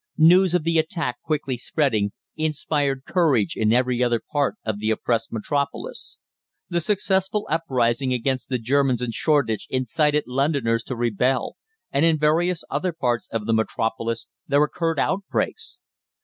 News of the attack, quickly spreading, inspired courage in every other part of the oppressed Metropolis. The successful uprising against the Germans in Shoreditch incited Londoners to rebel, and in various other parts of the Metropolis there occurred outbreaks.